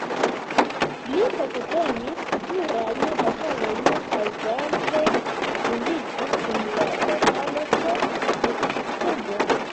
Li partoprenis plurajn batalojn, kaj grave vundiĝis dum la batalo ĉe Meksikurbo.